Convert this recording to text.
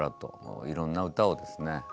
いろんな歌をですね